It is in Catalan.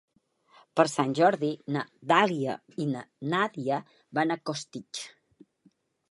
Per Sant Jordi na Dàlia i na Nàdia van a Costitx.